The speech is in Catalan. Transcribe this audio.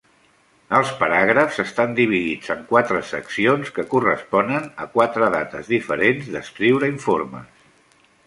Els paràgrafs estan dividits en quatre seccions que corresponen a quatre dates diferents d'escriure informes.